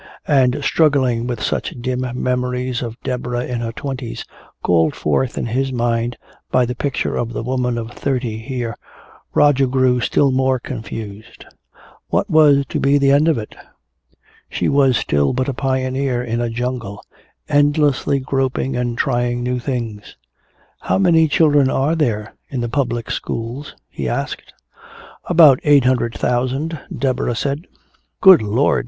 And struggling with such dim memories of Deborah in her twenties, called forth in his mind by the picture of the woman of thirty here, Roger grew still more confused. What was to be the end of it? She was still but a pioneer in a jungle, endlessly groping and trying new things. "How many children are there in the public schools?" he asked. "About eight hundred thousand," Deborah said. "Good Lord!"